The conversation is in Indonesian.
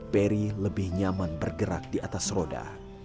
peri lebih nyaman bergerak di atas roda